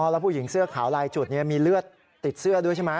แล้วผู้หญิงเสื้อขาวลายจุดมีเลือดติดเสื้อด้วยใช่ไหม